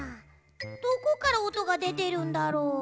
どこからおとがでてるんだろう？